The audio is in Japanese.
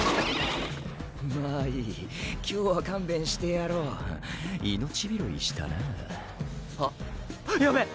まぁいい今日は勘弁してやろう命拾いしたなあっやべっ！